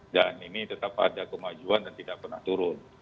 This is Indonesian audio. dan ini tetap ada kemajuan dan tidak pernah turun